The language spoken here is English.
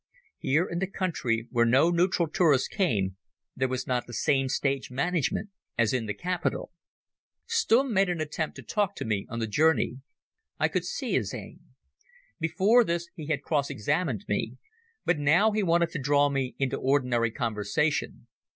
Here in the country, where no neutral tourists came, there was not the same stage management as in the capital. Stumm made an attempt to talk to me on the journey. I could see his aim. Before this he had cross examined me, but now he wanted to draw me into ordinary conversation.